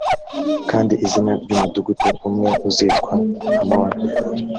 kandi izina ry umudugudu umwe uzitwa hamoni